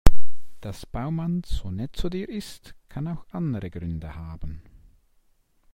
Dass Baumann so nett zu dir ist, kann auch andere Gründe haben.